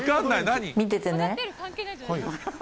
見ててね。